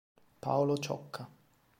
Paolo Ciocca.